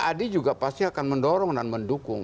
adi juga pasti akan mendorong dan mendukung